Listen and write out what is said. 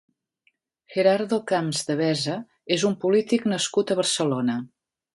Gerardo Camps Devesa és un polític nascut a Barcelona.